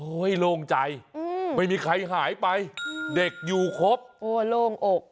โล่งใจอืมไม่มีใครหายไปเด็กอยู่ครบโอ้โล่งอก